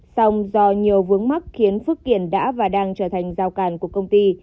xong do nhiều vướng mắc khiến phước kiển đã và đang trở thành giao càn của công ty